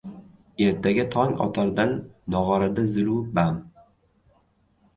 Ertaga tong otardan nog‘orada zilu bam